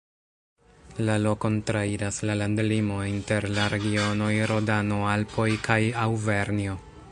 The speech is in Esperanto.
La lokon trairas la landlimo inter la regionoj Rodano-Alpoj kaj Aŭvernjo.